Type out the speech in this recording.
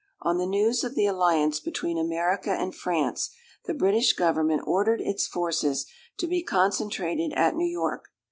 On the news of the alliance between America and France, the British Government ordered its forces to be concentrated at New York.